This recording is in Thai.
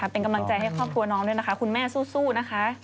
เป็นกำลังใจของคุณแม่คุณแม่สู้นะคะ